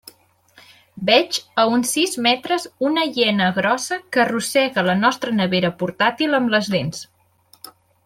Veig a uns sis metres una hiena grossa que arrossega la nostra nevera portàtil amb les dents.